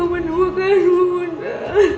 akhirnya aku menemukanmu bunda